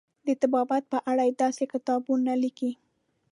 د طبابت په اړه یې داسې کتابونه لیکلي.